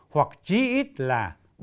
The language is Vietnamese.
hoặc chí ít là